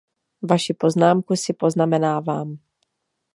Vaši poznámku si poznamenávám.